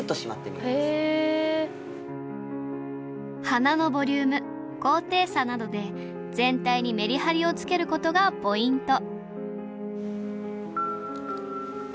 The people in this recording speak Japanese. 花のボリューム高低差などで全体にメリハリをつけることがポイント